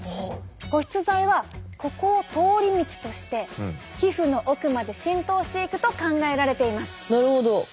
保湿剤はここを通り道として皮膚の奥まで浸透していくと考えられています。